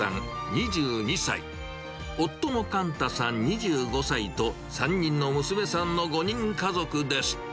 ２２歳、夫の冠太さん２５歳と、３人の娘さんの５人家族です。